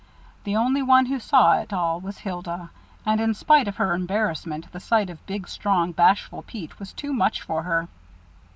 The only one who saw it all was Hilda, and in spite of her embarrassment the sight of big, strong, bashful Pete was too much for her.